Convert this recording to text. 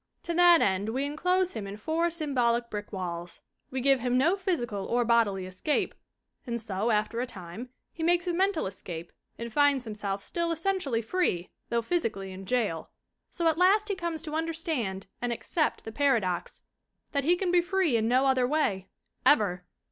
To that end we enclose him in four symbolic brick walls. We give him no physical or bodily escape. And so, after a time, he makes a mental escape and finds himself still essentially free, though physically in jail! So at last he comes to understand and accept the paradox that he can be free in no other way ever.